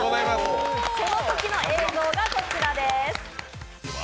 そのときの映像がこちらです。